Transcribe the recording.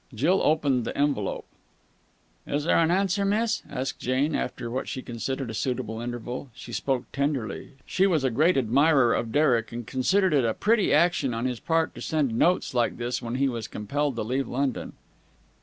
Jill opened the envelope. "Is there an answer, miss?" asked Jane, after what she considered a suitable interval. She spoke tenderly. She was a great admirer of Derek, and considered it a pretty action on his part to send notes like this when he was compelled to leave London.